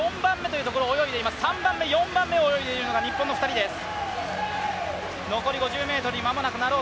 ３番目、４番目を泳いでいるのが日本の２人です。